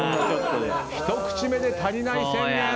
一口目で足りない宣言！